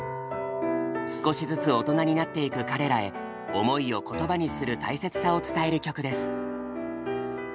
少しずつ大人になっていく彼らへ思いを言葉にする大切さを伝える曲です。